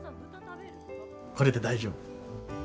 これで大丈夫。